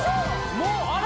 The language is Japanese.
もうあれ！？